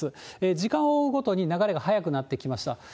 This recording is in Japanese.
時間を追うごとに流れが速くなってきました。